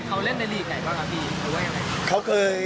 เขาเล่นในลีกไหนครับอดีตเขาว่ายังไง